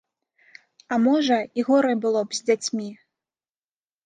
А можа, і горай было б з дзяцьмі?